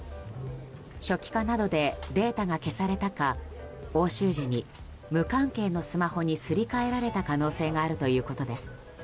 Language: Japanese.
初期化などでデータが消されたか押収時に無関係のスマホにすり替えられた可能性があるということです。